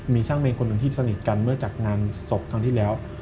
มีช่างเมนคนหนึ่งที่สนิทกันเมื่อจัดงานศพครั้งที่แล้ว